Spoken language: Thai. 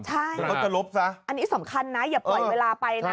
ใช่อันนี้สำคัญอย่าปล่อยเวลาไป